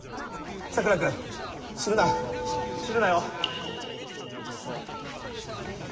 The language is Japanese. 桜君死ぬな死ぬなよ